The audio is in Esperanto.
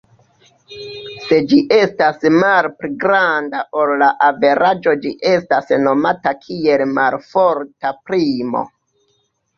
Se ĝi estas malpli granda ol la averaĝo ĝi estas nomata kiel malforta primo.